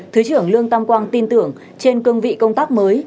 thứ trưởng lương tam quang tin tưởng trên cương vị công tác mới